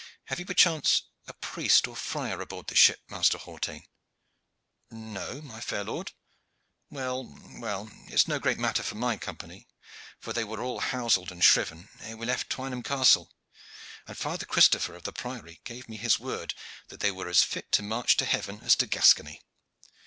Have you perchance a priest or friar aboard this ship, Master Hawtayne?" "No, my fair lord." "Well, well, it is no great matter for my Company, for they were all houseled and shriven ere we left Twynham Castle; and Father Christopher of the Priory gave me his word that they were as fit to march to heaven as to Gascony.